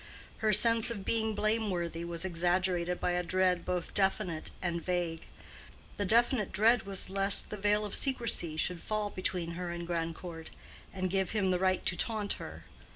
Her sense of being blameworthy was exaggerated by a dread both definite and vague. The definite dread was lest the veil of secrecy should fall between her and Grandcourt, and give him the right to taunt her.